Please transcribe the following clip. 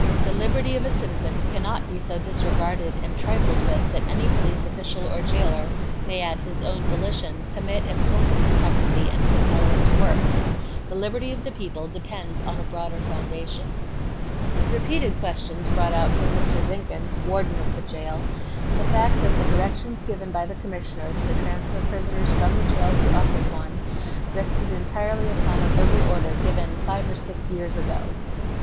The liberty of a citizen cannot be so disregarded and trifled with that any police official or jailer may at his own volition, commit and hold him in custody and compel him to work. The liberty of the people depends upon a broader foundation." Repeated questions brought out from Mr. Zinkhan, Warden of the Jail, the fact that the directions given by the Commissioners to transfer prisoners from the jail to Occoquan rested entirely upon a verbal order given "five or six years ago."